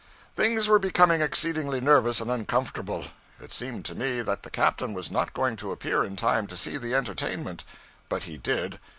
Things were becoming exceedingly nervous and uncomfortable. It seemed to me that the captain was not going to appear in time to see the entertainment. But he did.